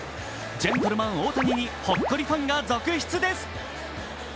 ジェントルマン・大谷にほっこりファンが続出です。